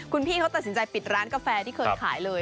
คุณพี่เขาตัดสินใจปิดร้านกาแฟที่เคยขายเลย